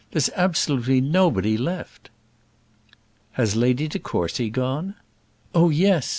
There's absolutely nobody left." "Has Lady de Courcy gone?" "Oh, yes!